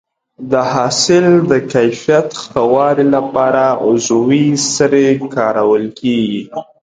د حاصل د کیفیت ښه والي لپاره عضوي سرې کارول کېږي.